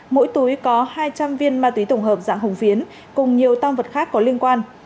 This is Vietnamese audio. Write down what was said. mỗi túi có hai trăm linh viên ma túy tổng hợp dạng hồng phiến cùng nhiều tam vật khác có liên quan